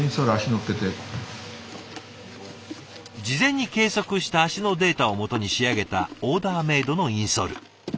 事前に計測した足のデータをもとに仕上げたオーダーメードのインソール。